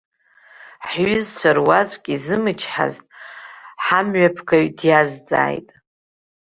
Ҳҩызцәа руаӡәк изымычҳазт, ҳамҩаԥгаҩ диазҵааит.